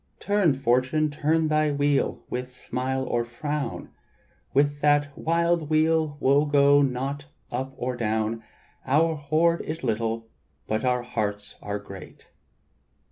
"Turn, Fortune, turn thy wheel with smile or frown; With that wild wheel wo go not up or down; Our hoard is little, but our hearts are great.